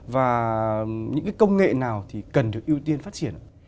và những cái công nghệ nào thì cần được ưu tiên phát triển